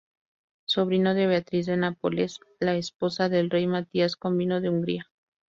Sobrino de Beatriz de Nápoles, la esposa del rey Matías Corvino de Hungría.